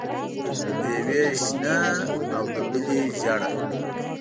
د یوې شنه او د بلې ژېړه.